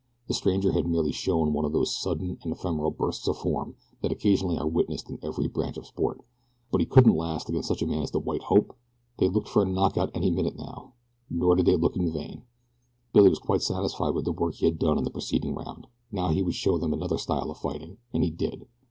The stranger had merely shown one of those sudden and ephemeral bursts of form that occasionally are witnessed in every branch of sport; but he couldn't last against such a man as the "white hope"! they looked for a knock out any minute now. Nor did they look in vain. Billy was quite satisfied with the work he had done in the preceding round. Now he would show them another style of fighting! And he did.